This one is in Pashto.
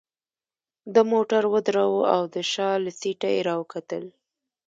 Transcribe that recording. ده موټر ودراوه او د شا له سیټه يې راوکتل.